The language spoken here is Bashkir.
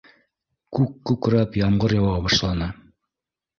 Күк күкрәп, ямғыр яуа башланы.